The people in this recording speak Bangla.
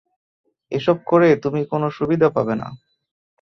এসব করে তুমি কোনো সুবিধা পাবে না।